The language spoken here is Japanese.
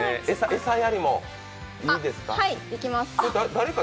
餌やりもいいですか。